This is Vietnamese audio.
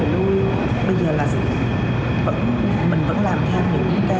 bây giờ là mình vẫn làm theo những cái doanh nghiệp họ làm hoặc là những cái nhà máy xí nghiệp họ làm